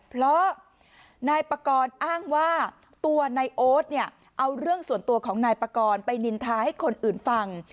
เพราะนายปากรอ้างว่าตัวนายโอ๊ตเนี่ยเอาเรื่องส่วนตัวของนายปากรไปนินทาให้คนอื่นฟัง